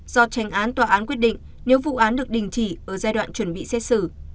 do tranh án tòa án quyết định nếu vụ án được đình chỉ ở giai đoạn chuẩn bị xét xử